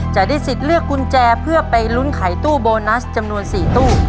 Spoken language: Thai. จะได้สิทธิ์เลือกกุญแจเพื่อไปลุ้นไขตู้โบนัสจำนวน๔ตู้